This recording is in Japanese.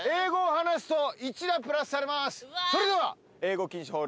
それでは。